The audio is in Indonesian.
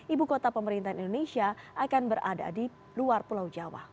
ibu kota pemerintahan indonesia akan berada di luar pulau jawa